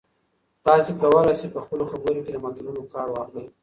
تاسي کولای شئ په خپلو خبرو کې له متلونو کار واخلئ.